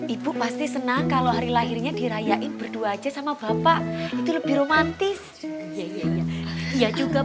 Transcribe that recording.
ibu pasti senang kalau hari lahirnya dirayain berdua aja sama bapak itu lebih romantis ya juga